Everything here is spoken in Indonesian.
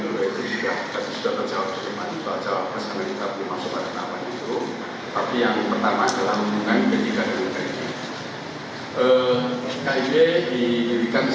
seperti dua ribu empat dulu terima kasih ibu dan juga bapak